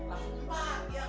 bila mau buat lah ya